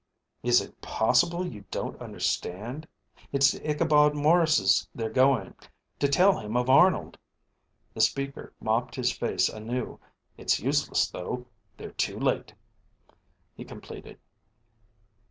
"Is it possible you don't understand? It's to Ichabod Maurice's they're going, to tell him of Arnold." The speaker mopped his face anew. "It's useless though. They're too late," he completed.